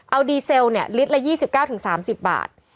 เอาดีเซลลิตรละ๒๙๓๐บาท